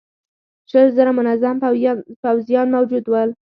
شل زره منظم پوځيان موجود ول.